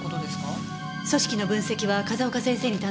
組織の分析は風丘先生に頼んでいます。